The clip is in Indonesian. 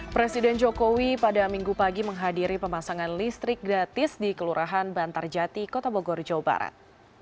presiden jokowi pada minggu pagi menghadiri pemasangan listrik gratis di kelurahan bantarjati kota bogor jawa barat